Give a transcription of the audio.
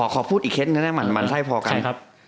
ขอพูดอีกเคสก็ได้มันใช่พอกัน